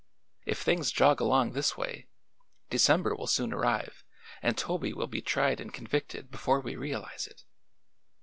If things jog along this way, December will soon arrive and Toby will be tried and convicted before we realize it."